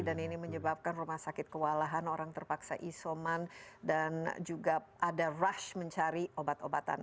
dan ini menyebabkan rumah sakit kewalahan orang terpaksa isoman dan juga ada rush mencari obat obatan